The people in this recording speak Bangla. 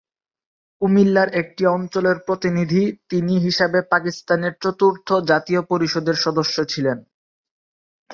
কুমিল্লার একটি অঞ্চলের প্রতিনিধি তিনি হিসাবে পাকিস্তানের চতুর্থ জাতীয় পরিষদের সদস্য ছিলেন।